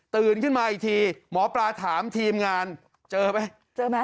ขึ้นมาอีกทีหมอปลาถามทีมงานเจอไหมเจอไหม